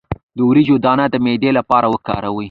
د وریجو دانه د معدې لپاره وکاروئ